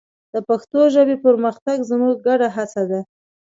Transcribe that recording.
د پښتو ژبې پرمختګ زموږ ګډه هڅه ده.